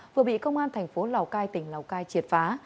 vừa bị công an thành phố lào cai tỉnh lào cai triệt phá